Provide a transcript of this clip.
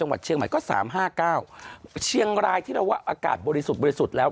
ว่าอากาศบริสุทธิ์แล้ว